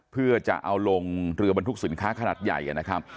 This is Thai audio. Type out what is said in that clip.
เพื่อจะเอาลงเรือบรรทุกสินค้าขนาดใหญ่นะครับ